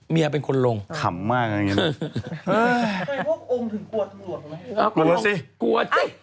เกียรติ